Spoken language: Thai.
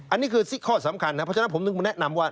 อันนี้คือข้อสำคัญครับเพราะฉะนั้นผมแนะนำว่า